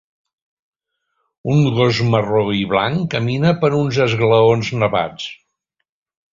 Un gos marró i blanc camina per uns esglaons nevats.